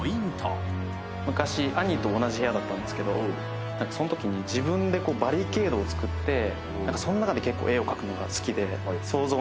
昔兄と同じ部屋だったんですけどそのときに自分でバリケードを作ってその中で絵を描くのが好きで。